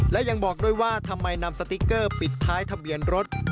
และยังบอกด้วยว่าทำไมนำสติ๊กเกอร์ปิดท้ายทะเบียนรถ